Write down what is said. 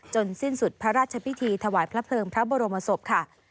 สิ้นสุดพระราชพิธีถวายพระเพลิงพระบรมศพค่ะ